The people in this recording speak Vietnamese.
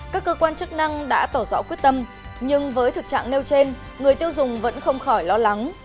các cơ quan chức năng đã tỏ rõ quyết tâm nhưng với thực trạng nêu trên người tiêu dùng vẫn không khỏi lo lắng